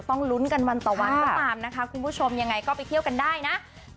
ต้องลุ้นกันวันต่อวันก็ตามนะคะคุณผู้ชมยังไงก็ไปเที่ยวกันได้นะ